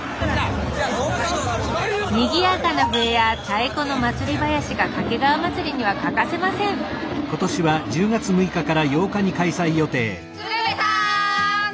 にぎやかな笛や太鼓の祭り囃子が掛川祭には欠かせませんあそうか。